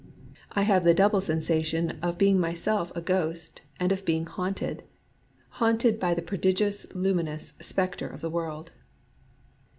I have the double sensation of being myself a ghost and of being haunted, — haunted by the prodigious lumi nous Spectre of the World.